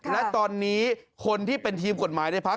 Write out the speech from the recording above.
และตอนนี้คนที่เป็นทีมกฎหมายในพัก